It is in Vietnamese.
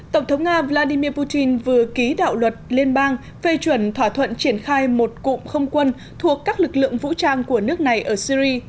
tổng thống nga vladimir putin vừa ký đạo luật liên bang phê chuẩn thỏa thuận triển khai một cụm không quân thuộc các lực lượng vũ trang của nước này ở syri